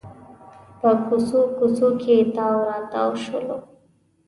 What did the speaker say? په کوڅو کوڅو کې تاو راتاو شولو.